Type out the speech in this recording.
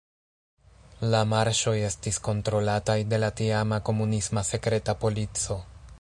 La marŝoj estis kontrolataj de la tiama komunisma sekreta polico.